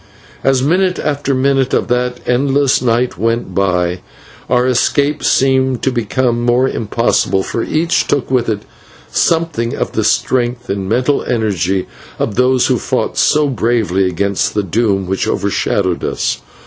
As minute after minute of that endless night went by, our escape seemed to become more impossible, for each took with it something of the strength and mental energy of those who fought so bravely against the doom that overshadowed us.